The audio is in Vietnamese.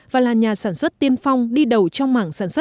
và là nhà sản xuất tiên phong đi đầu trong mảng sản xuất chất thải